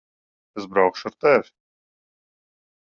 Es braukšu ar tevi.